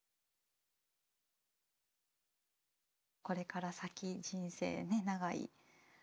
これから先人生ねっ長い。